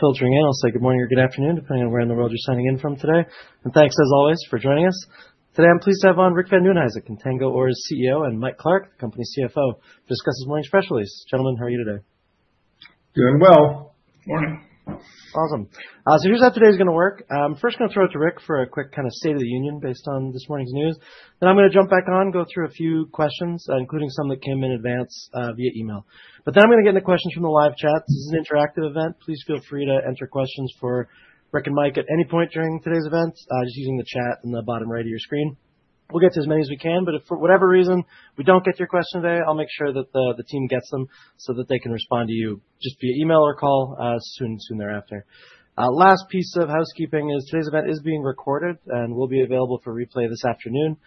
Filtering in. I'll say good morning or good afternoon, depending on where in the world you're signing in from today. Thanks, as always, for joining us. Today I'm pleased to have on Rick Van Nieuwenhuyse, the Contango Ore CEO, and Mike Clark, the company CFO, to discuss this morning's press release. Gentlemen, how are you today? Doing well. Morning. Awesome. Here is how today's going to work. I'm first going to throw it to Rick for a quick kind of state of the union based on this morning's news. Then I'm going to jump back on, go through a few questions, including some that came in advance via email. I am going to get into questions from the live chat. This is an interactive event. Please feel free to enter questions for Rick and Mike at any point during today's event, just using the chat in the bottom right of your screen. We'll get to as many as we can. If for whatever reason we don't get your question today, I'll make sure that the team gets them so that they can respond to you just via email or call soon thereafter. Last piece of housekeeping is today's event is being recorded and will be available for replay this afternoon,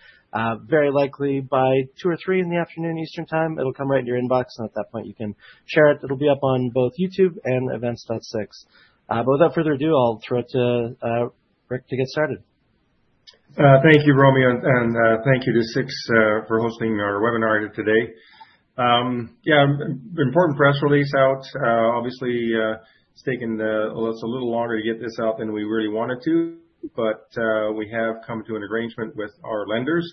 very likely by 2:00 or 3:00 in the afternoon Eastern Time. It'll come right in your inbox. At that point, you can share it. It'll be up on both YouTube and Events.six. Without further ado, I'll throw it to Rick to get started. Thank you, Romeo. And thank you to Six for hosting our webinar today. Yeah, important press release out. Obviously, it's taken us a little longer to get this out than we really wanted to. But we have come to an arrangement with our lenders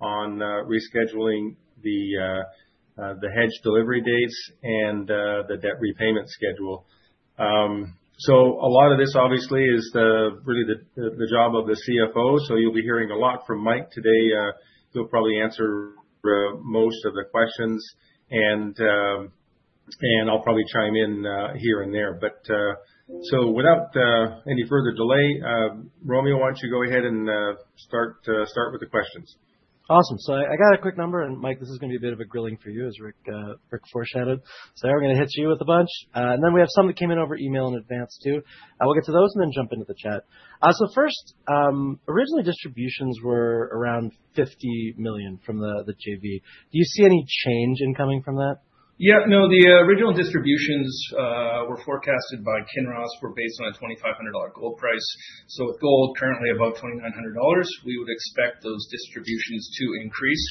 on rescheduling the hedge delivery dates and the debt repayment schedule. A lot of this, obviously, is really the job of the CFO. You'll be hearing a lot from Mike today. He'll probably answer most of the questions. I'll probably chime in here and there. Without any further delay, Romeo, why don't you go ahead and start with the questions? Awesome. I got a quick number. Mike, this is going to be a bit of a grilling for you, as Rick foreshadowed. We are going to hit you with a bunch. We have some that came in over email in advance, too. I will get to those and then jump into the chat. First, originally, distributions were around $50 million from the JV. Do you see any change in coming from that? Yeah. No, the original distributions were forecasted by Kinross were based on a $2,500 gold price. So with gold currently above $2,900, we would expect those distributions to increase.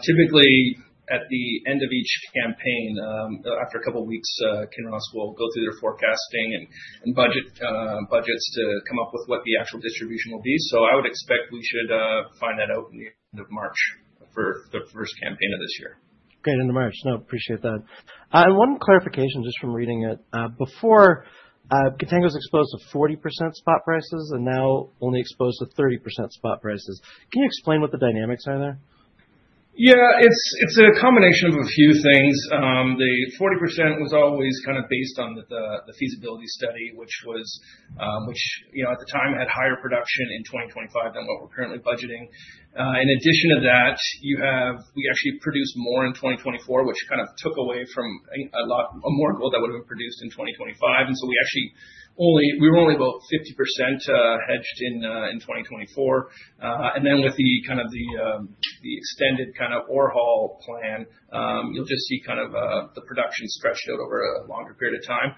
Typically, at the end of each campaign, after a couple of weeks, Kinross will go through their forecasting and budgets to come up with what the actual distribution will be. I would expect we should find that out in the end of March for the first campaign of this year. Great. Into March. No, appreciate that. One clarification, just from reading it. Before, Contango was exposed to 40% spot prices and now only exposed to 30% spot prices. Can you explain what the dynamics are there? Yeah. It's a combination of a few things. The 40% was always kind of based on the feasibility study, which at the time had higher production in 2025 than what we're currently budgeting. In addition to that, we actually produced more in 2024, which kind of took away from a lot more gold that would have been produced in 2025. We were only about 50% hedged in 2024. With kind of the extended kind of ore haul plan, you'll just see kind of the production stretched out over a longer period of time.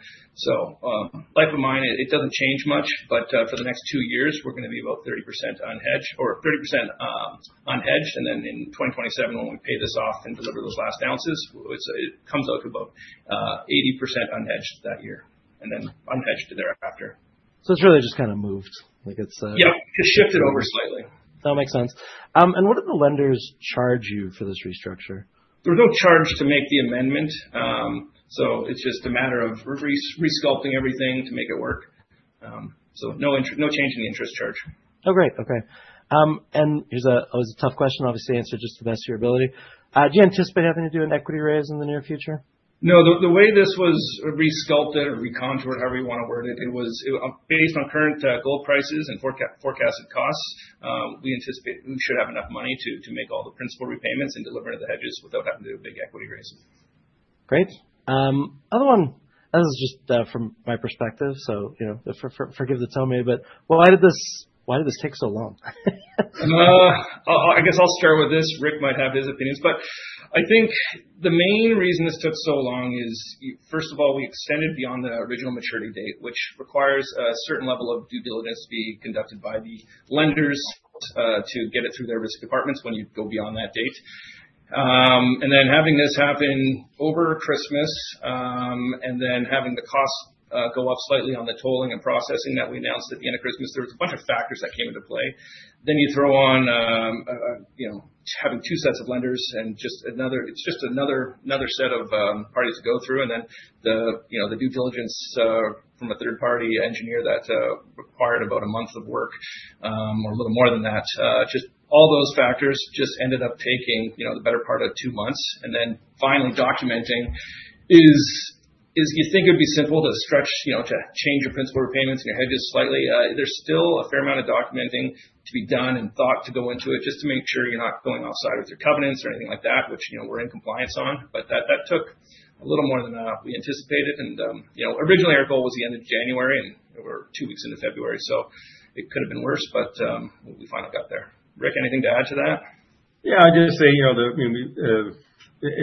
Like, life of mine, it doesn't change much. For the next two years, we're going to be about 30% unhedged or 30% unhedged. In 2027, when we pay this off and deliver those last ounces, it comes out to about 80% unhedged that year and then unhedged thereafter. It's really just kind of moved. Yeah. Just shifted over slightly. That makes sense. What did the lenders charge you for this restructure? There was no charge to make the amendment. It is just a matter of resculpting everything to make it work. No change in the interest charge. Oh, great. OK. Here is a tough question, obviously, answer just to the best of your ability. Do you anticipate having to do an equity raise in the near future? No. The way this was resculpted or recontoured, however you want to word it, it was based on current gold prices and forecasted costs. We anticipate we should have enough money to make all the principal repayments and deliver the hedges without having to do a big equity raise. Great. Another one, this is just from my perspective. Forgive the tell me. Why did this take so long? I guess I'll start with this. Rick might have his opinions. I think the main reason this took so long is, first of all, we extended beyond the original maturity date, which requires a certain level of due diligence to be conducted by the lenders to get it through their risk departments when you go beyond that date. Having this happen over Christmas and then having the cost go up slightly on the tolling and processing that we announced at the end of Christmas, there was a bunch of factors that came into play. You throw on having two sets of lenders and just another set of parties to go through. The due diligence from a third-party engineer required about a month of work or a little more than that. All those factors ended up taking the better part of two months. Finally, documenting is, you think it would be simple to stretch to change your principal repayments and your hedges slightly. There is still a fair amount of documenting to be done and thought to go into it just to make sure you are not going offside with your covenants or anything like that, which we are in compliance on. That took a little more than we anticipated. Originally, our goal was the end of January, and we are two weeks into February. It could have been worse. We finally got there. Rick, anything to add to that? Yeah. I'd just say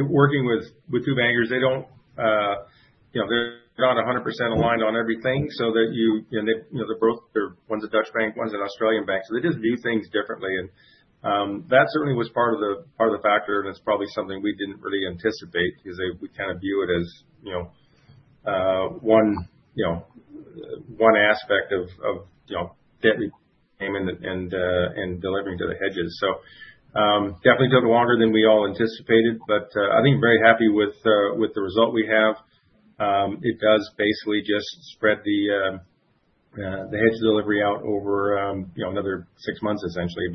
working with two bankers, they're not 100% aligned on everything. So that their. They're both, one's a Dutch bank, one's an Australian bank. They just view things differently. That certainly was part of the factor. It's probably something we didn't really anticipate because we kind of view it as one aspect of debt repayment and delivering to the hedges. It definitely took longer than we all anticipated. I think very happy with the result we have. It does basically just spread the hedge delivery out over another six months, essentially.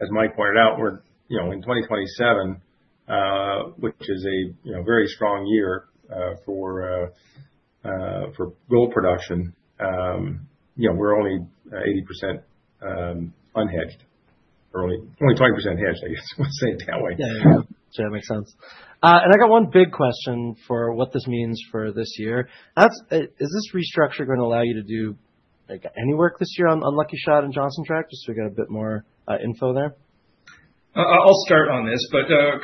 As Mike pointed out, we're in 2027, which is a very strong year for gold production. We're only 80% unhedged, only 20% hedged, I guess, let's say it that way. Yeah. That makes sense. I got one big question for what this means for this year. Is this restructure going to allow you to do any work this year on Lucky Shot and Johnson Tract, just so we get a bit more info there? I'll start on this.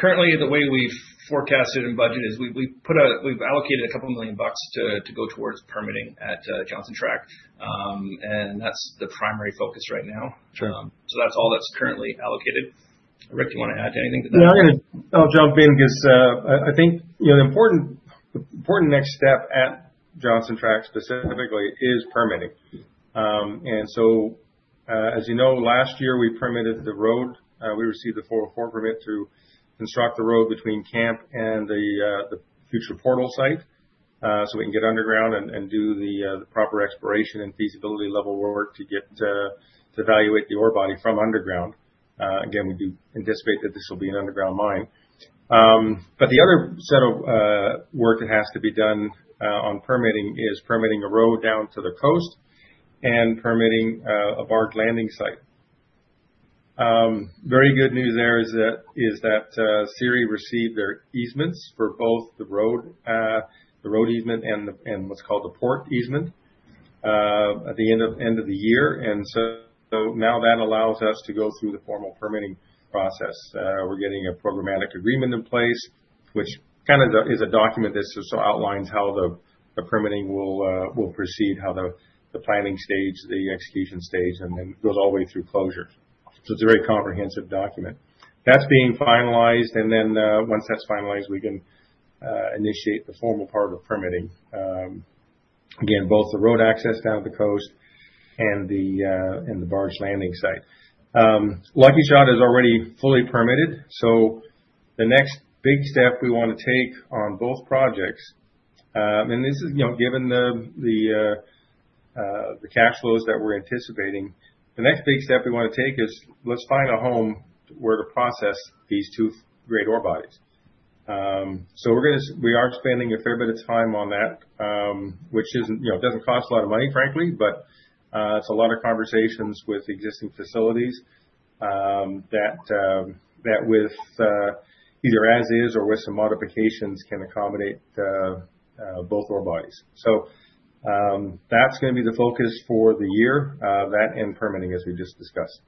Currently, the way we've forecasted and budgeted is we've allocated a couple million bucks to go towards permitting at Johnson Tract. That's the primary focus right now. That's all that's currently allocated. Rick, do you want to add to anything to that? Yeah. I'll jump in because I think the important next step at Johnson Tract specifically is permitting. As you know, last year we permitted the road. We received a 404 permit to construct the road between camp and the future portal site so we can get underground and do the proper exploration and feasibility level work to evaluate the ore body from underground. Again, we do anticipate that this will be an underground mine. The other set of work that has to be done on permitting is permitting a road down to the coast and permitting a barge landing site. Very good news there is that CIRI received their easements for both the road easement and what's called the port easement at the end of the year. Now that allows us to go through the formal permitting process. We're getting a programmatic agreement in place, which kind of is a document that just outlines how the permitting will proceed, how the planning stage, the execution stage, and then goes all the way through closure. It is a very comprehensive document. That is being finalized. Once that is finalized, we can initiate the formal part of permitting, again, both the road access down to the coast and the barged landing site. Lucky Shot is already fully permitted. The next big step we want to take on both projects, and this is given the cash flows that we're anticipating, the next big step we want to take is let's find a home where to process these two great ore bodies. We are spending a fair bit of time on that, which does not cost a lot of money, frankly. It is a lot of conversations with existing facilities that, either as is or with some modifications, can accommodate both ore bodies. That is going to be the focus for the year, that and permitting, as we just discussed.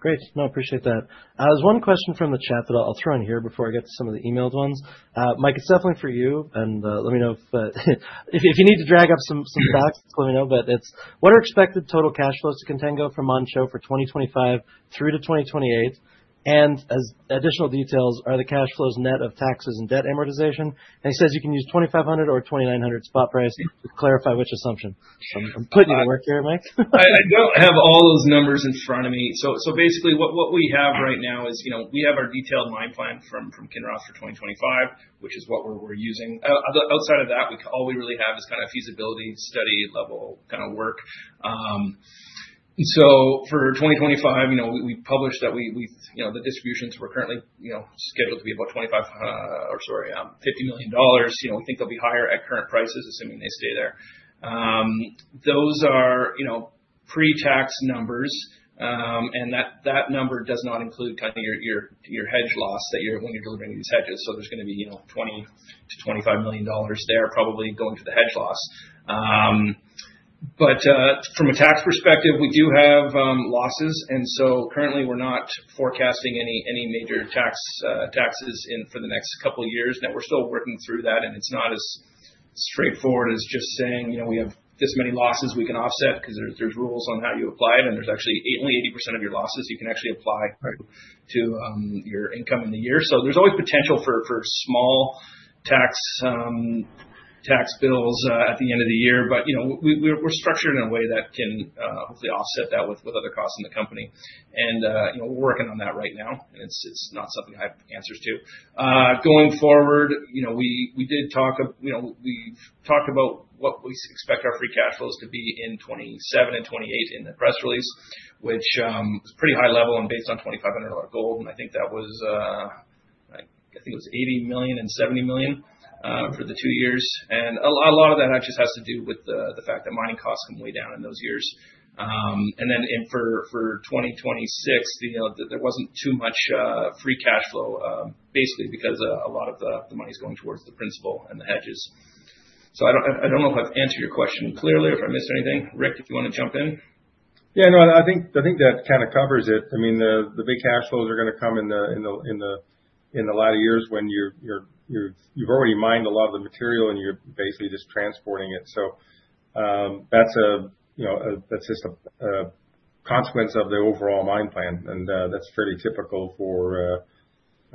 Great. No, appreciate that. There is one question from the chat that I will throw in here before I get to some of the emailed ones. Mike, it is definitely for you. Let me know if you need to drag up some facts, just let me know. It is, what are expected total cash flows to Contango from Manh Choh for 2025 through to 2028? As additional details, are the cash flows net of taxes and debt amortization? He says you can use $2,500 or $2,900 spot price. Just clarify which assumption. I am putting you to work here, Mike. I do not have all those numbers in front of me. Basically, what we have right now is we have our detailed mine plan from Kinross for 2025, which is what we are using. Outside of that, all we really have is kind of feasibility study level kind of work. For 2025, we published that the distributions were currently scheduled to be about $25 million or $50 million. We think they will be higher at current prices, assuming they stay there. Those are pre-tax numbers. That number does not include your hedge loss when you are delivering these hedges. There is going to be $20 million-$25 million there probably going to the hedge loss. From a tax perspective, we do have losses. Currently, we are not forecasting any major taxes for the next couple of years. We are still working through that. It is not as straightforward as just saying we have this many losses we can offset because there are rules on how you apply it. There is actually only 80% of your losses you can actually apply to your income in the year. There is always potential for small tax bills at the end of the year. We are structured in a way that can hopefully offset that with other costs in the company. We are working on that right now. It is not something I have answers to. Going forward, we did talk about what we expect our free cash flows to be in 2027 and 2028 in the press release, which is pretty high level and based on $2,500 gold. I think that was, I think it was $80 million and $70 million for the two years. A lot of that actually has to do with the fact that mining costs come way down in those years. For 2026, there was not too much free cash flow, basically, because a lot of the money is going towards the principal and the hedges. I do not know if I have answered your question clearly or if I missed anything. Rick, if you want to jump in. Yeah. No, I think that kind of covers it. I mean, the big cash flows are going to come in the latter years when you've already mined a lot of the material and you're basically just transporting it. That is just a consequence of the overall mine plan. That is fairly typical for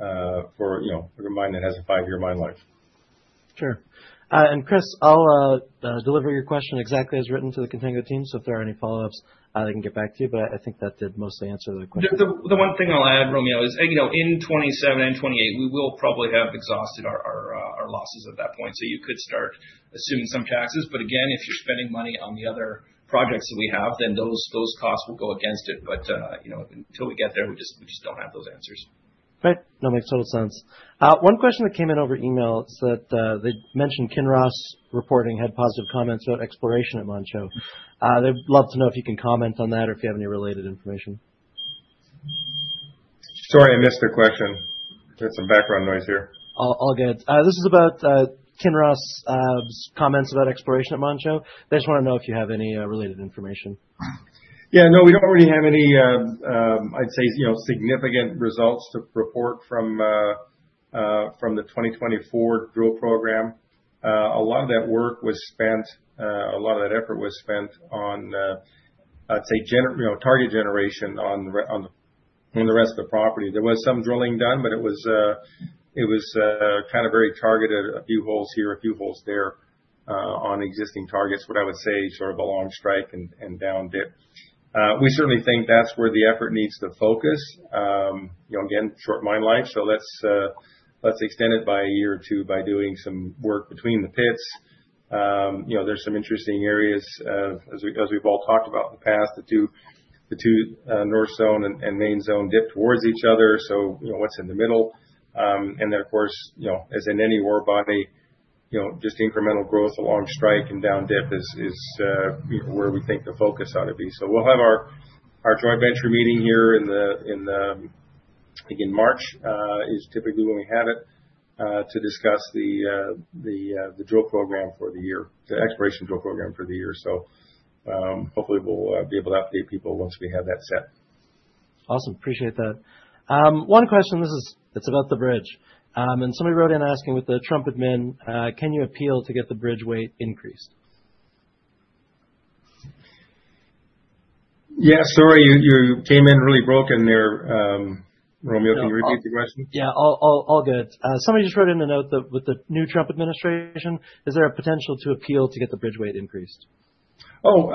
a mine that has a five-year mine life. Sure. Chris, I'll deliver your question exactly as written to the Contango team. If there are any follow-ups, I can get back to you. I think that did mostly answer the question. The one thing I'll add, Romeo, is in 2027 and 2028, we will probably have exhausted our losses at that point. You could start assuming some taxes. If you're spending money on the other projects that we have, then those costs will go against it. Until we get there, we just don't have those answers. Right. No, makes total sense. One question that came in over email is that they mentioned Kinross reporting had positive comments about exploration at Manh Choh. They'd love to know if you can comment on that or if you have any related information. Sorry, I missed their question. There's some background noise here. All good. This is about Kinross' comments about exploration at Manh Choh. They just want to know if you have any related information. Yeah. No, we don't really have any, I'd say, significant results to report from the 2024 drill program. A lot of that work was spent, a lot of that effort was spent on, I'd say, target generation on the rest of the property. There was some drilling done, but it was kind of very targeted, a few holes here, a few holes there on existing targets, what I would say sort of along strike and down dip. We certainly think that's where the effort needs to focus. Again, short mine life. Let's extend it by a year or two by doing some work between the pits. There are some interesting areas, as we've all talked about in the past, the two north zone and main zone dip towards each other. What's in the middle? Of course, as in any ore body, just incremental growth along strike and down dip is where we think the focus ought to be. We will have our joint venture meeting here in March, which is typically when we have it, to discuss the drill program for the year, the exploration drill program for the year. Hopefully, we will be able to update people once we have that set. Awesome. Appreciate that. One question. This is about the bridge. Somebody wrote in asking, with the Trump admin, can you appeal to get the bridge weight increased? Yeah. Sorry, you came in really broken there. Romeo, can you repeat the question? Yeah. All good. Somebody just wrote in a note that with the new Trump administration, is there a potential to appeal to get the bridge weight increased? Oh,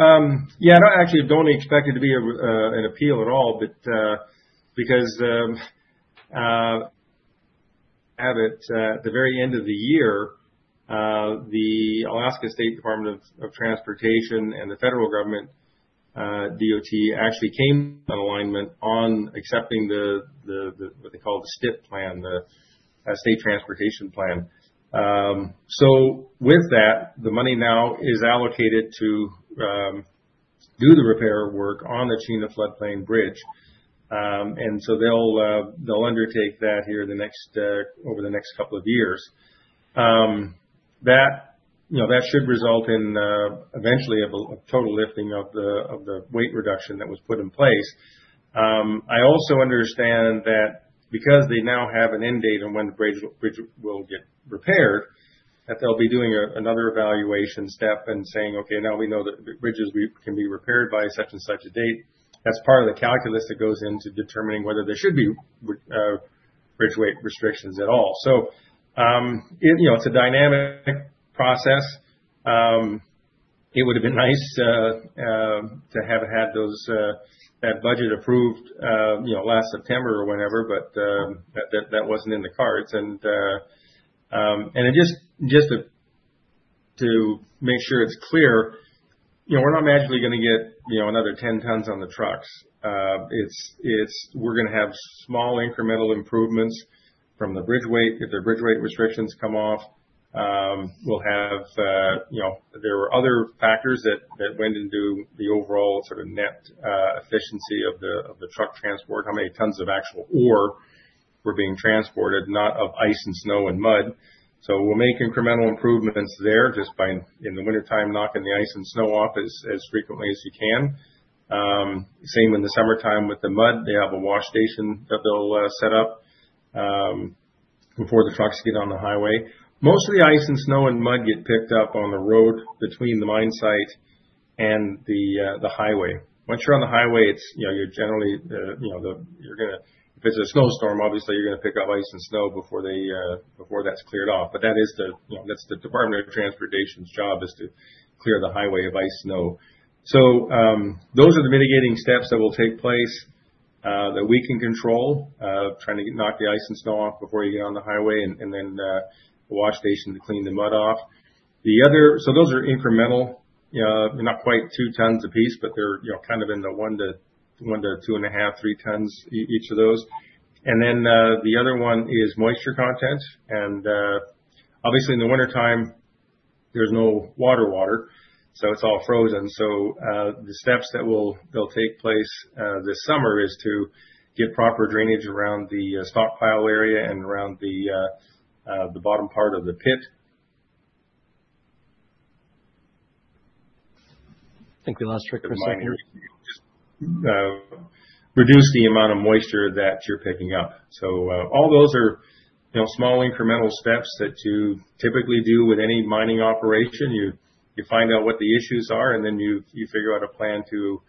yeah. I actually don't expect it to be an appeal at all because at the very end of the year, the Alaska State Department of Transportation and the federal government DOT actually came in alignment on accepting what they call the STIP plan, the State Transportation Plan. With that, the money now is allocated to do the repair work on the Chinook Floodplain Bridge. They'll undertake that here over the next couple of years. That should result in eventually a total lifting of the weight reduction that was put in place. I also understand that because they now have an end date on when the bridge will get repaired, they'll be doing another evaluation step and saying, "OK, now we know that bridge is going to be repaired by such and such a date." That's part of the calculus that goes into determining whether there should be bridge weight restrictions at all. It is a dynamic process. It would have been nice to have had that budget approved last September or whenever, but that was not in the cards. Just to make sure it's clear, we're not magically going to get another 10 tons on the trucks. We're going to have small incremental improvements from the bridge weight. If the bridge weight restrictions come off, we'll have, there were other factors that went into the overall sort of net efficiency of the truck transport, how many tons of actual ore were being transported, not of ice and snow and mud. We'll make incremental improvements there just by, in the wintertime, knocking the ice and snow off as frequently as you can. Same in the summertime with the mud. They have a wash station that they'll set up before the trucks get on the highway. Most of the ice and snow and mud get picked up on the road between the mine site and the highway. Once you're on the highway, you're generally going to, if it's a snowstorm, obviously, you're going to pick up ice and snow before that's cleared off. That is the Department of Transportation's job, to clear the highway of ice, snow. Those are the mitigating steps that will take place that we can control, trying to knock the ice and snow off before you get on the highway and then the wash station to clean the mud off. Those are incremental, not quite 2 tons apiece, but they are kind of in the 1-2.5, 3 tons each of those. The other one is moisture content. Obviously, in the wintertime, there is no water, so it is all frozen. The steps that will take place this summer are to get proper drainage around the stockpile area and around the bottom part of the pit. I think we lost Rick for a second. Reduce the amount of moisture that you're picking up. All those are small incremental steps that you typically do with any mining operation. You find out what the issues are, and then you figure out a plan to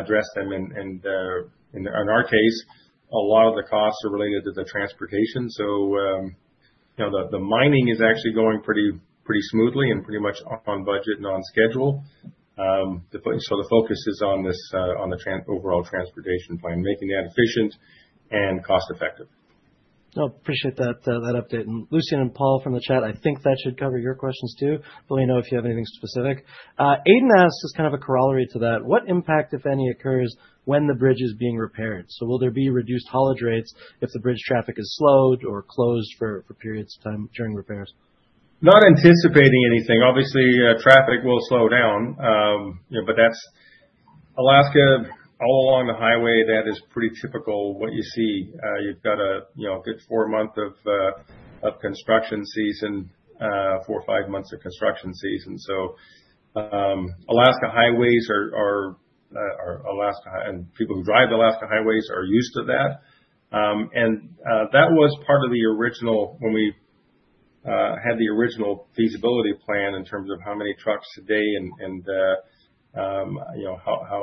address them. In our case, a lot of the costs are related to the transportation. The mining is actually going pretty smoothly and pretty much on budget and on schedule. The focus is on the overall transportation plan, making that efficient and cost-effective. No, appreciate that update. Lucian and Paul from the chat, I think that should cover your questions too. Let me know if you have anything specific. Aiden asks, just kind of a corollary to that, what impact, if any, occurs when the bridge is being repaired? Will there be reduced haulage rates if the bridge traffic is slowed or closed for periods of time during repairs? Not anticipating anything. Obviously, traffic will slow down. Alaska, all along the highway, that is pretty typical what you see. You've got a good four or five months of construction season. Alaska highways are, and people who drive the Alaska highways are, used to that. That was part of the original, when we had the original feasibility plan in terms of how many trucks a day and how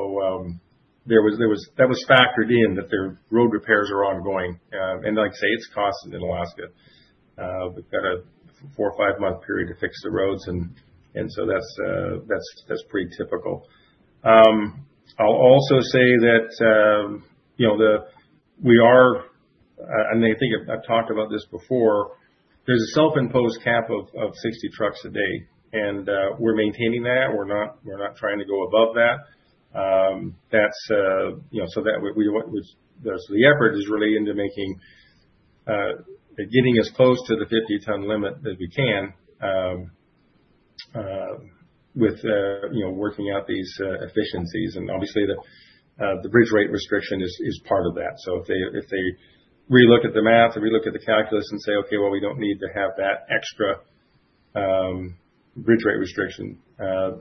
that was factored in, that the road repairs are ongoing. Like I say, it's costs in Alaska. We've got a four or five month period to fix the roads, and that is pretty typical. I'll also say that we are, and I think I've talked about this before, there's a self-imposed cap of 60 trucks a day. We're maintaining that. We're not trying to go above that. The effort is really into getting as close to the 50-ton limit as we can with working out these efficiencies. Obviously, the bridge weight restriction is part of that. If they relook at the math and relook at the calculus and say, "OK, we don't need to have that extra bridge weight restriction,"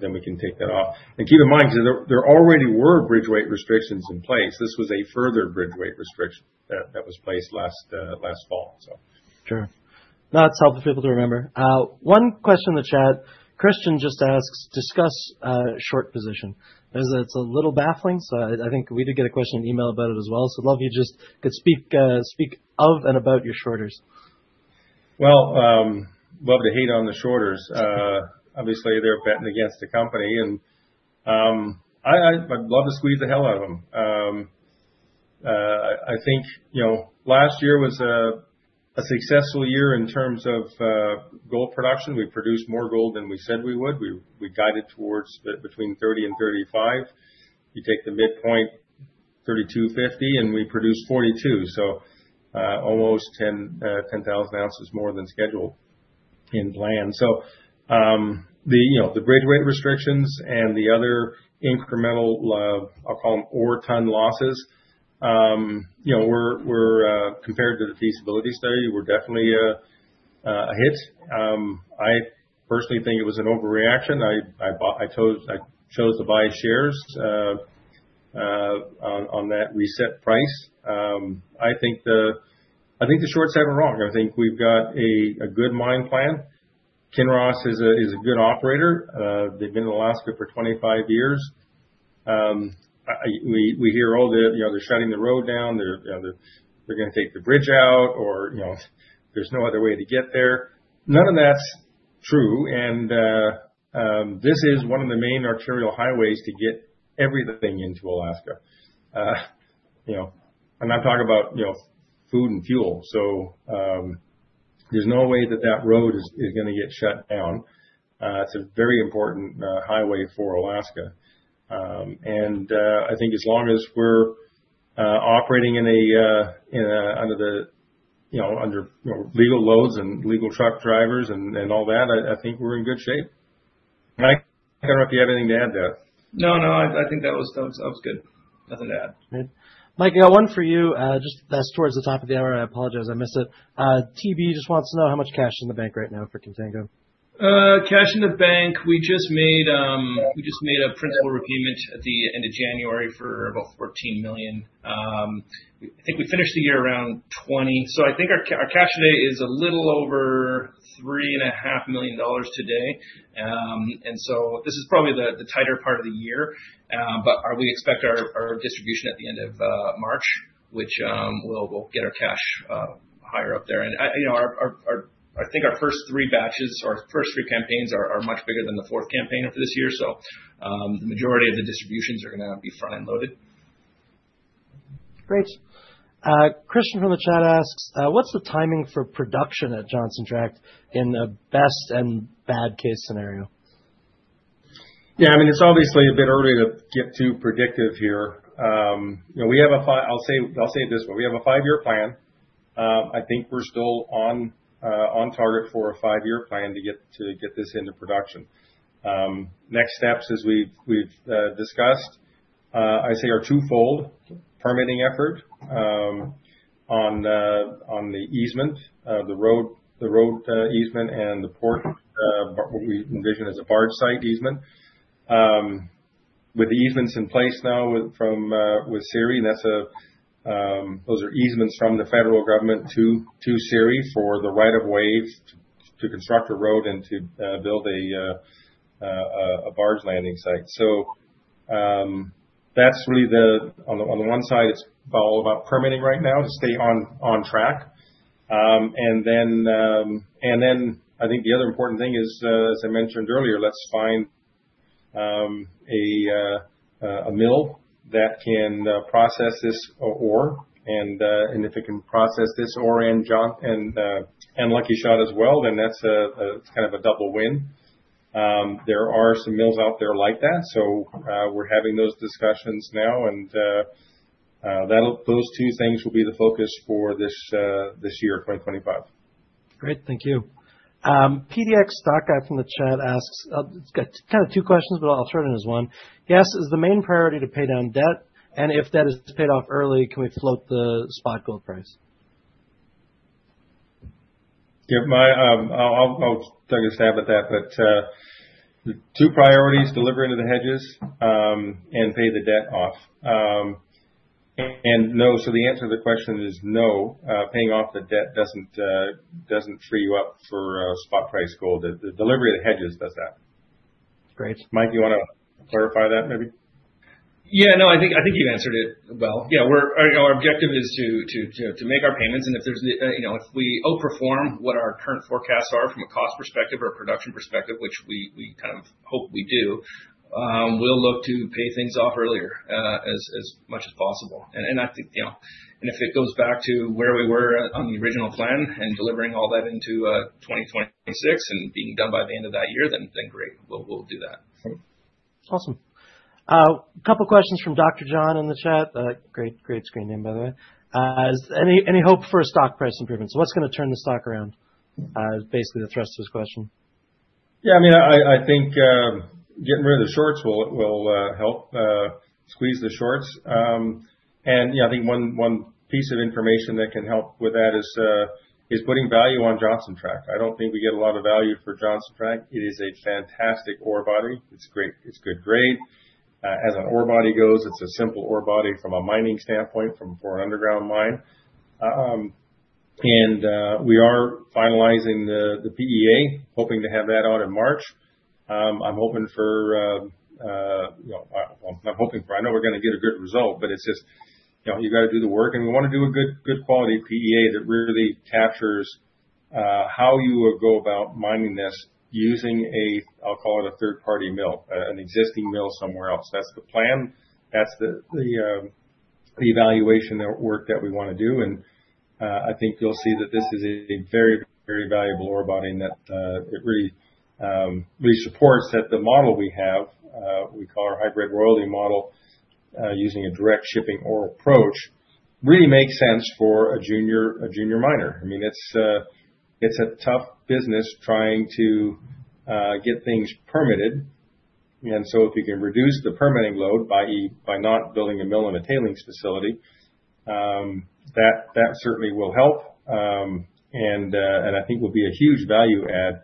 then we can take that off. Keep in mind, because there already were bridge weight restrictions in place, this was a further bridge weight restriction that was placed last fall. Sure. No, it's helpful for people to remember. One question in the chat. Christian just asks, discuss short position. It's a little baffling. I think we did get a question in email about it as well. I'd love if you just could speak of and about your shorters. Love to hate on the shorters. Obviously, they're betting against the company. I'd love to squeeze the hell out of them. I think last year was a successful year in terms of gold production. We produced more gold than we said we would. We guided towards between 30 and 35. You take the midpoint, 32, 50, and we produced 42. Almost 10,000 ounces more than scheduled in plan. The bridge weight restrictions and the other incremental, I'll call them ore ton losses, compared to the feasibility study, were definitely a hit. I personally think it was an overreaction. I chose to buy shares on that reset price. I think the shorts haven't wrong. I think we've got a good mine plan. Kinross is a good operator. They've been in Alaska for 25 years. We hear all the, they're shutting the road down, they're going to take the bridge out, or there's no other way to get there. None of that's true. This is one of the main arterial highways to get everything into Alaska. I'm talking about food and fuel. There is no way that that road is going to get shut down. It's a very important highway for Alaska. I think as long as we're operating under legal loads and legal truck drivers and all that, I think we're in good shape. I don't know if you have anything to add to that. No, no. I think that was good. Nothing to add. Mike, I got one for you. Just that's towards the top of the hour. I apologize. I missed it. TB just wants to know how much cash is in the bank right now for Contango. Cash in the bank, we just made a principal repayment at the end of January for about $14 million. I think we finished the year around $20 million. I think our cash today is a little over $3.5 million today. This is probably the tighter part of the year. We expect our distribution at the end of March, which will get our cash higher up there. I think our first three batches or first three campaigns are much bigger than the fourth campaign for this year. The majority of the distributions are going to be front-end loaded. Great. Christian from the chat asks, what's the timing for production at Johnson Tract in a best and bad case scenario? Yeah. I mean, it's obviously a bit early to get too predictive here. I'll say it this way. We have a five-year plan. I think we're still on target for a five-year plan to get this into production. Next steps, as we've discussed, I say are twofold. Permitting effort on the easement, the road easement, and the port, what we envision as a barge site easement. With the easements in place now with CIRI, those are easements from the federal government to CIRI for the right of way to construct a road and to build a barge landing site. That's really the, on the one side, it's all about permitting right now to stay on track. I think the other important thing is, as I mentioned earlier, let's find a mill that can process this ore. If it can process this ore and Lucky Shot as well, then that's kind of a double win. There are some mills out there like that. We are having those discussions now. Those two things will be the focus for this year, 2025. Great. Thank you. PDX.Guy from the chat asks, I've got kind of two questions, but I'll throw it in as one. He asks, is the main priority to pay down debt? If debt is paid off early, can we float the spot gold price? Yeah. I'll take a stab at that. The two priorities, delivering to the hedges and pay the debt off. No, the answer to the question is no. Paying off the debt doesn't free you up for spot price gold. The delivery of the hedges does that. Great. Mike, you want to clarify that maybe? Yeah. No, I think you answered it well. Yeah. Our objective is to make our payments. If we outperform what our current forecasts are from a cost perspective or a production perspective, which we kind of hope we do, we will look to pay things off earlier as much as possible. If it goes back to where we were on the original plan and delivering all that into 2026 and being done by the end of that year, then great. We will do that. Awesome. A couple of questions from Dr. John in the chat. Great screen name, by the way. Any hope for stock price improvements? What's going to turn the stock around? Basically, the thrust of his question. Yeah. I mean, I think getting rid of the shorts will help squeeze the shorts. I think one piece of information that can help with that is putting value on Johnson Tract. I do not think we get a lot of value for Johnson Tract. It is a fantastic ore body. It is good grade. As an ore body goes, it is a simple ore body from a mining standpoint for an underground mine. We are finalizing the PEA, hoping to have that out in March. I am hoping for, I am hoping for, I know we are going to get a good result, but it is just you have got to do the work. We want to do a good quality PEA that really captures how you would go about mining this using a, I will call it a third-party mill, an existing mill somewhere else. That is the plan. That's the evaluation work that we want to do. I think you'll see that this is a very, very valuable ore body that really supports that the model we have, we call our hybrid royalty model using a direct shipping ore approach, really makes sense for a junior miner. I mean, it's a tough business trying to get things permitted. If you can reduce the permitting load by not building a mill in a tailings facility, that certainly will help. I think will be a huge value add,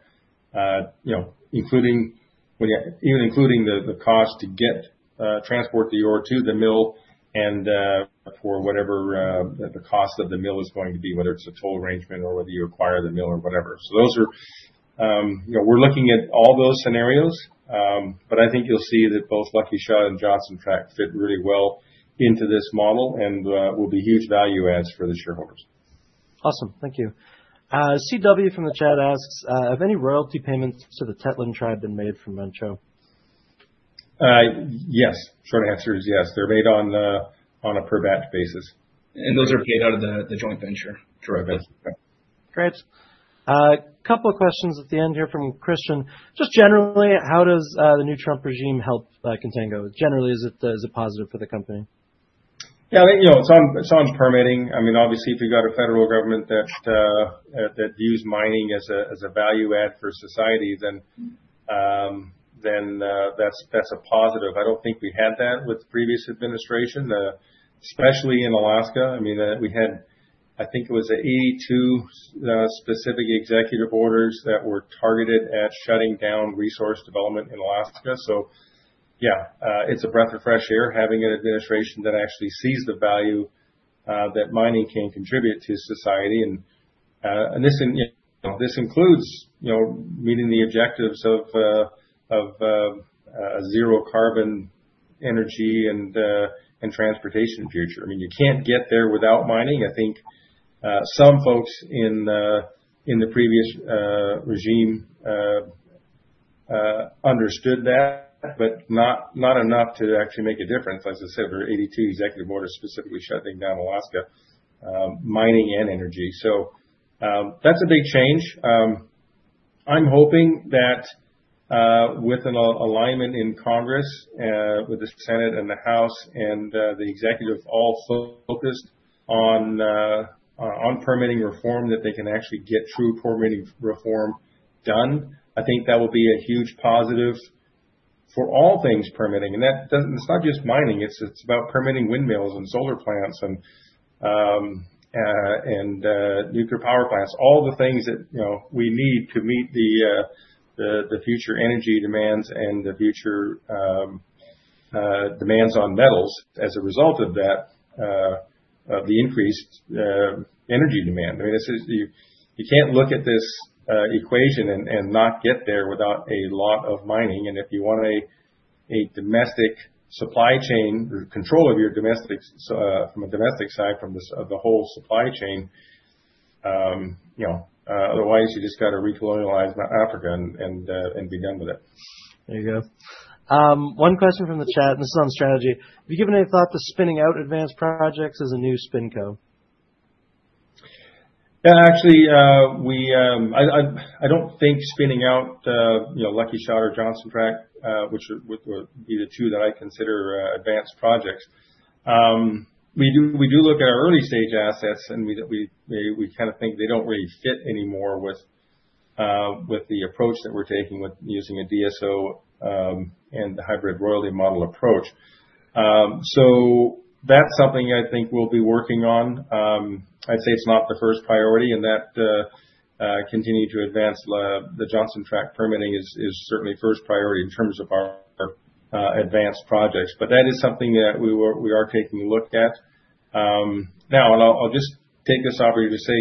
even including the cost to transport the ore to the mill and for whatever the cost of the mill is going to be, whether it's a toll arrangement or whether you acquire the mill or whatever. We're looking at all those scenarios. I think you'll see that both Lucky Shot and Johnson Tract fit really well into this model and will be huge value adds for the shareholders. Awesome. Thank you. CW from the chat asks, have any royalty payments to the Tetlin Tribe been made from Manh Choh? Yes. Short answer is yes. They're made on a per-batch basis. Those are paid out of the joint venture. Correct. Great. A couple of questions at the end here from Christian. Just generally, how does the new Trump regime help Contango? Generally, is it positive for the company? Yeah. It's on permitting. I mean, obviously, if you've got a federal government that views mining as a value add for society, then that's a positive. I don't think we had that with the previous administration, especially in Alaska. I mean, we had, I think it was 82 specific executive orders that were targeted at shutting down resource development in Alaska. Yeah, it's a breath of fresh air having an administration that actually sees the value that mining can contribute to society. This includes meeting the objectives of a zero-carbon energy and transportation future. I mean, you can't get there without mining. I think some folks in the previous regime understood that, but not enough to actually make a difference. Like I said, there are 82 executive orders specifically shutting down Alaska, mining and energy. That's a big change. I'm hoping that with an alignment in Congress, with the Senate and the House and the executive all focused on permitting reform, they can actually get true permitting reform done. I think that will be a huge positive for all things permitting. It's not just mining. It's about permitting windmills and solar plants and nuclear power plants, all the things that we need to meet the future energy demands and the future demands on metals as a result of that, of the increased energy demand. I mean, you can't look at this equation and not get there without a lot of mining. If you want a domestic supply chain control of your domestic from a domestic side from the whole supply chain, otherwise, you just got to recolonialize Africa and be done with it. There you go. One question from the chat. This is on strategy. Have you given any thought to spinning out advanced projects as a new SpinCo? Yeah. Actually, I don't think spinning out Lucky Shot or Johnson Tract, which would be the two that I consider advanced projects. We do look at our early stage assets, and we kind of think they don't really fit anymore with the approach that we're taking with using a DSO and the hybrid royalty model approach. That's something I think we'll be working on. I'd say it's not the first priority in that continuing to advance the Johnson Tract permitting is certainly first priority in terms of our advanced projects. That is something that we are taking a look at. Now, I'll just take this opportunity to say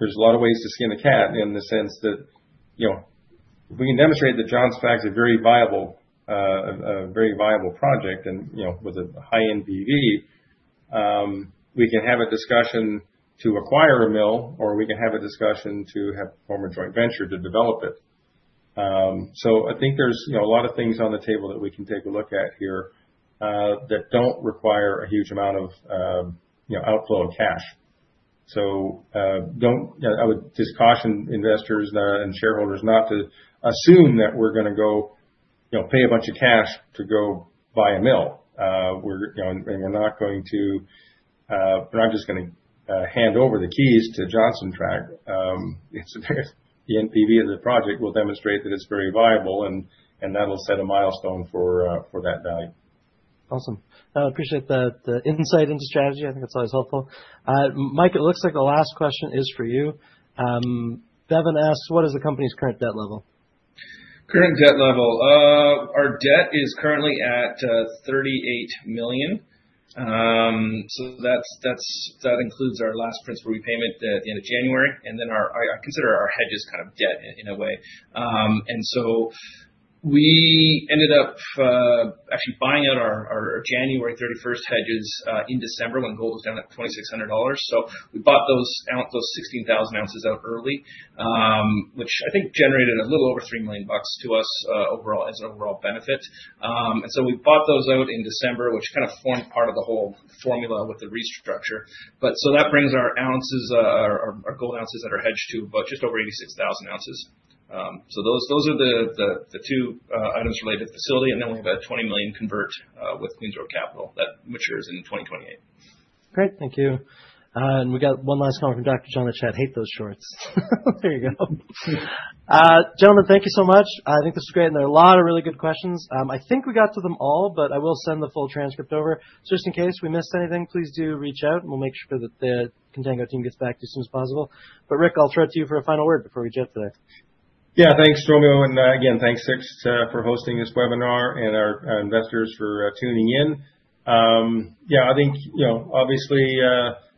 there's a lot of ways to skin the cat in the sense that if we can demonstrate that Johnson Tract is a very viable project and with a high NPV, we can have a discussion to acquire a mill, or we can have a discussion to have a form of joint venture to develop it. I think there's a lot of things on the table that we can take a look at here that don't require a huge amount of outflow of cash. I would just caution investors and shareholders not to assume that we're going to go pay a bunch of cash to go buy a mill. We're not going to, we're not just going to hand over the keys to Johnson Tract. The NPV of the project will demonstrate that it's very viable, and that'll set a milestone for that value. Awesome. I appreciate the insight into strategy. I think it's always helpful. Mike, it looks like the last question is for you. Devin asks, what is the company's current debt level? Current debt level. Our debt is currently at $38 million. That includes our last principal repayment at the end of January. I consider our hedges kind of debt in a way. We ended up actually buying out our January 31 hedges in December when gold was down at $2,600. We bought those 16,000 ounces out early, which I think generated a little over $3 million to us overall as an overall benefit. We bought those out in December, which kind of formed part of the whole formula with the restructure. That brings our ounces, our gold ounces that are hedged, to about just over 86,000 ounces. Those are the two items related to the facility. We have a $20 million convert with Queens Road Capital that matures in 2028. Great. Thank you. We got one last comment from Dr. John in the chat. Hate those shorts. There you go. Gentlemen, thank you so much. I think this was great. There are a lot of really good questions. I think we got to them all, but I will send the full transcript over. Just in case we missed anything, please do reach out. We'll make sure that the Contango team gets back to you as soon as possible. Rick, I'll throw it to you for a final word before we jet today. Yeah. Thanks, Romeo. Thanks, Six, for hosting this webinar and our investors for tuning in. Yeah. I think obviously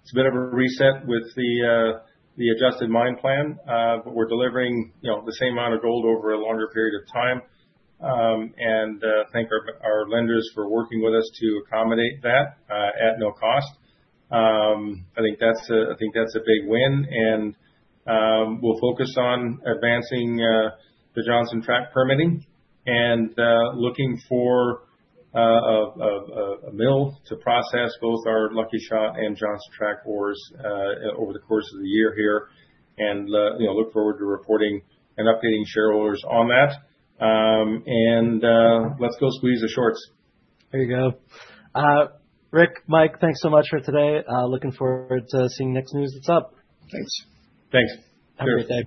it's a bit of a reset with the adjusted mine plan, but we're delivering the same amount of gold over a longer period of time. I thank our lenders for working with us to accommodate that at no cost. I think that's a big win. We'll focus on advancing the Johnson Tract permitting and looking for a mill to process both our Lucky Shot and Johnson Tract ores over the course of the year here. I look forward to reporting and updating shareholders on that. Let's go squeeze the shorts. There you go. Rick, Mike, thanks so much for today. Looking forward to seeing next news that's up. Thanks. Thanks. Have a great day.